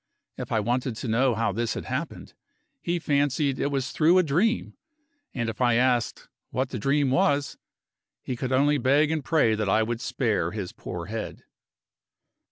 If I wanted to know how this had happened, he fancied it was through a dream; and if I asked what the dream was, he could only beg and pray that I would spare his poor head.